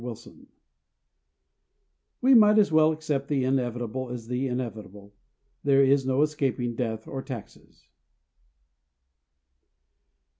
_ COWARDS We might as well accept the inevitable as the inevitable. There is no escaping death or taxes.